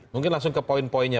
mungkin langsung ke poin poinnya